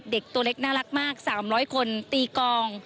เด็กตัวเล็กน่ารักมาก๓๐๐คนตีกอง